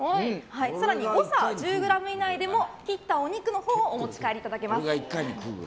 更に、誤差１０ｇ以内でも切ったお肉をお持ち帰りいただけます。